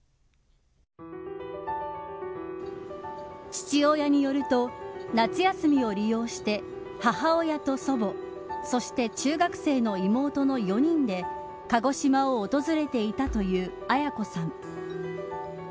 父親によると夏休みを利用して母親と祖母そして、中学生の妹の４人で鹿児島を訪れていたという絢子さん。